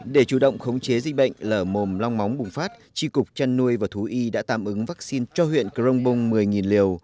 để chủ động khống chế dịch bệnh lở mồm long móng bùng phát tri cục trăn nuôi và thú y đã tạm ứng vaccine cho huyện crongbong một mươi liều